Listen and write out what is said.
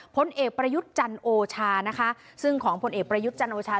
พลเอกประยุทธ์จันโอชานะคะซึ่งของผลเอกประยุทธ์จันโอชา